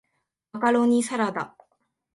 マカロニサラダ